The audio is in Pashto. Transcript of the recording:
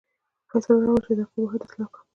فیصله راوړه چې دغه قباحت اصلاح کړم.